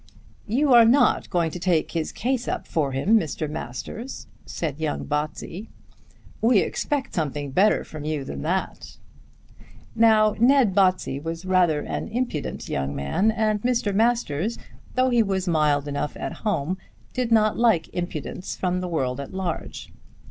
"You are not going to take his case up for him, Mr. Masters?" said young Botsey. "We expect something better from you than that." Now Ned Botsey was rather an impudent young man, and Mr. Masters, though he was mild enough at home, did not like impudence from the world at large.